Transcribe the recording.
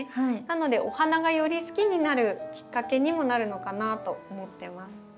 なのでお花がより好きになるきっかけにもなるのかなと思ってます。